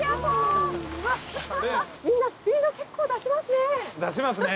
みんなスピード結構出しますね。